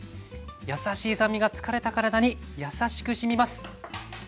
やさしい酸味が疲れた体にやさしくしみます。